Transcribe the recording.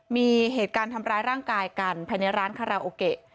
มีเหตุการณ์ทำร้ายร่างกายกันภายในร้านคาราโอเกะ